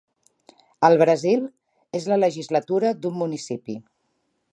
Al Brasil, és la legislatura d'un municipi.